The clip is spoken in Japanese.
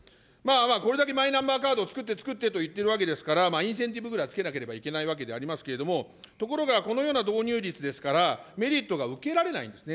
これだけマイナンバーカードをつくってつくってと言っているわけですから、インセンティブぐらいはつけなければいけないわけですけれども、ところが、このような導入率ですから、メリットが受けられないんですね。